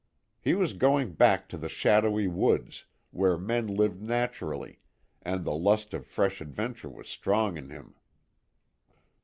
He was going back to the shadowy woods, where men lived naturally, and the lust of fresh adventure was strong in him.